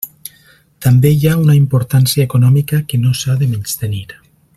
També hi ha una importància econòmica que no s'ha de menystenir.